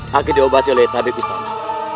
hakim diobati oleh tabib istana